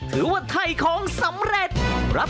อยู่ที่๘๙๐บาทค่ะ